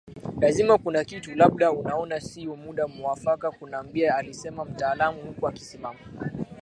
lazima kuna kitu labda unaona siyo muda muafaka kunambia alisema mtaalamu huku akisimama